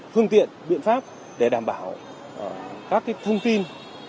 phương tiện biện pháp để đảm bảo các thông tin